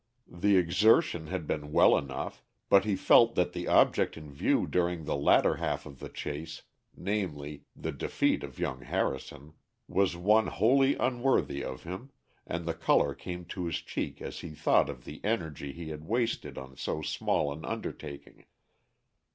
The exertion had been well enough, but he felt that the object in view during the latter half of the chase, namely, the defeat of young Harrison, was one wholly unworthy of him, and the color came to his cheek as he thought of the energy he had wasted on so small an undertaking.